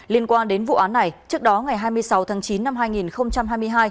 liên quan đến vụ án này trước đó ngày hai mươi sáu tháng chín năm hai nghìn hai mươi hai